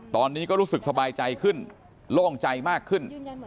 ตอนนี้ก็รู้สึกสบายใจขึ้นโล่งใจมากขึ้น